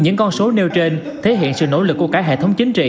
những con số nêu trên thể hiện sự nỗ lực của cả hệ thống chính trị